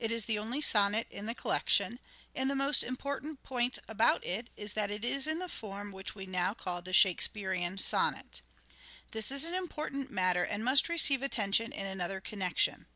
It is the only sonnet in the collection ; and the most important point about it is that it is in the form which we now call the Shakespearean sonnet. This is an important matter and must receive attention in another connection.